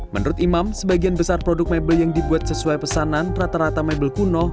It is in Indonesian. menurut imam sebagian besar produk mebel yang dibuat sesuai pesanan rata rata mebel kuno